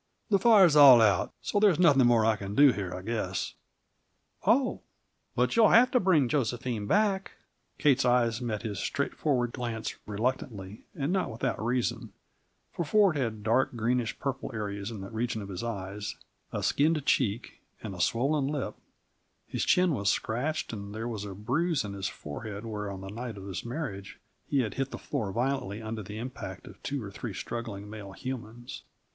"The fire's all out, so there's nothing more I can do here, I guess." "Oh, but you'll have to bring Josephine back!" Kate's eyes met his straightforward glance reluctantly, and not without reason; for Ford had dark, greenish purple areas in the region of his eyes, a skinned cheek, and a swollen lip; his chin was scratched and there was a bruise on his forehead where, on the night of his marriage, he had hit the floor violently under the impact of two or three struggling male humans.